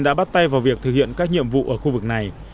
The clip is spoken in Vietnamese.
đã bắt tay vào việc thực hiện các nhiệm vụ ở khu vực này